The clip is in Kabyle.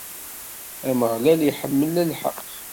Ameɣlal iḥemmel lḥeqq.